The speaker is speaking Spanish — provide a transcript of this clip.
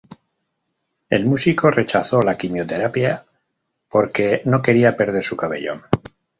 El músico rechazó la quimioterapia porque no quería perder su cabello.